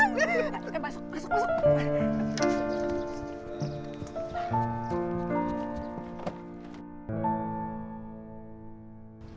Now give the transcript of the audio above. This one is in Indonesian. masuk masuk masuk